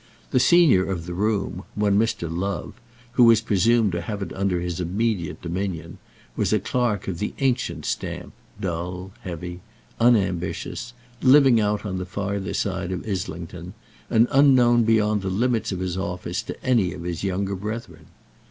The senior of the room, one Mr. Love, who was presumed to have it under his immediate dominion, was a clerk of the ancient stamp, dull, heavy, unambitious, living out on the farther side of Islington, and unknown beyond the limits of his office to any of his younger brethren.